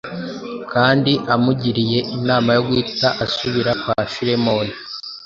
kandi amugiriye inama yo guhita asubira kwa Filemoni,